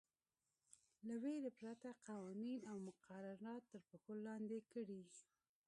له وېرې پرته قوانین او مقررات تر پښو لاندې کړي.